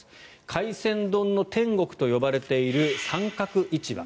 海鮮丼の天国と呼ばれている三角市場。